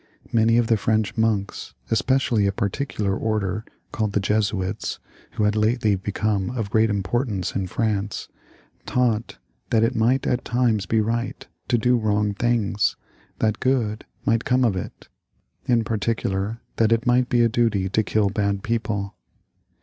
Many of the XXXIX.] HENRY III. 296 ^ 11 T French monks, especially a particular order, called the Jesuits, who had lately become of great importance in France, taught that it might at times be right to do wrong things, that good might come of it ; in particular, that it might be a duty to kill bad people.